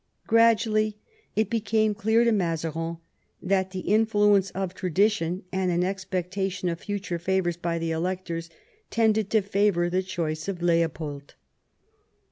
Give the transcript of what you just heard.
Gradually it became clear to Mazarin that the influence of tradition and an expectation of future favours by the electors tended to favour the choice of Leopold.